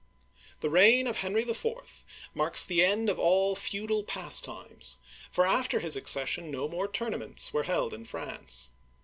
The reign of Henry IV. marks the end of all feudal pastimes, for after his accession no more tournaments were held in France.